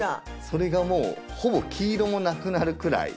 それがもうほぼ黄色もなくなるくらい。